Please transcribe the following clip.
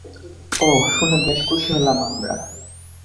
ওহ, শুনে বেশ খুশি হলাম আমরা!